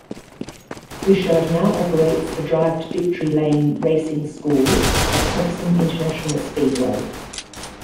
Bouchard now operates the Drive to Victory Lane Racing School at Thompson International Speedway.